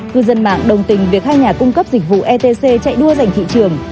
cư dân mạng đồng tình việc hai nhà cung cấp dịch vụ etc chạy đua giành thị trường